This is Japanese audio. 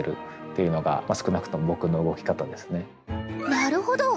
なるほど！